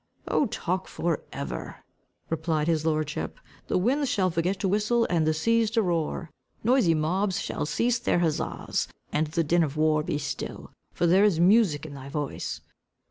"Oh, talk for ever," replied his lordship. "The winds shall forget to whistle, and the seas to roar. Noisy mobs shall cease their huzzas, and the din of war be still; for there is music in thy voice."